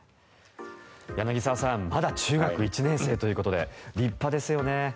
柳澤さんまだ中学１年生ということで立派ですよね。